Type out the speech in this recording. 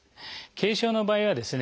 軽症の場合はですね